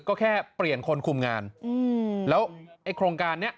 ก็แค่เปลี่ยนคนคุมงานแล้วไอ้โครงการนี้